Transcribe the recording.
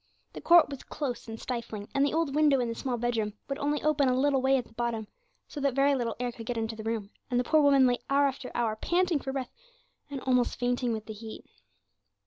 The court was close and stifling, and the old window in the small bedroom would only open a little way at the bottom, so that very little air could get into the room, and the poor woman lay hour after hour panting for breath, and almost fainting with the heat.